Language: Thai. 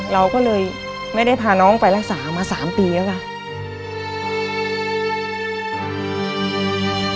เราก็เลยไม่ได้พาน้องไปรักษามา๓ปีแล้วค่ะ